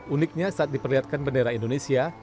uniknya saat diperlihatkan bendera indonesia